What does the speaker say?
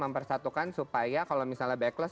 mempersatukan supaya kalau misalnya backles